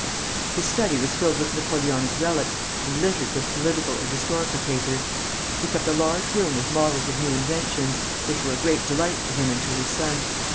His study was filled with Napoleonic relics, and littered with political and historical papers. He kept a large room with models of new inventions, which were a great delight to him and to his son.